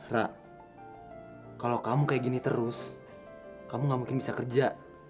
ra kalau kamu kayak gini terus kamu gak mungkin bisa kerja